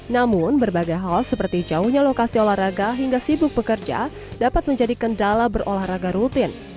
namun berbagai hal seperti jauhnya lokasi olahraga hingga sibuk bekerja dapat menjadi kendala berolahraga rutin